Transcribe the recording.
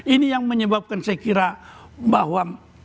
ini yang menyebabkan saya kira bahwa